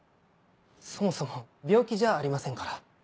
そもそも病気じゃありませんから。